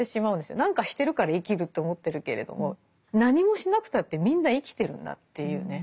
何かしてるから生きると思ってるけれども何もしなくたってみんな生きてるんだっていうね。